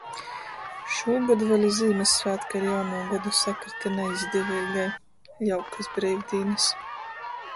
Šūgod vēļ i Zīmyssvātki ar Jaunū godu sakryta "naizdeveigai"... Jaukys breivdīnys!.